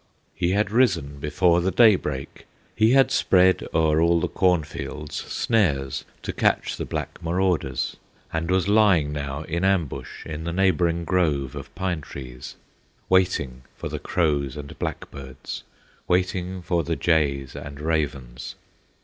He had risen before the daybreak, He had spread o'er all the cornfields Snares to catch the black marauders, And was lying now in ambush In the neighboring grove of pine trees, Waiting for the crows and blackbirds, Waiting for the jays and ravens.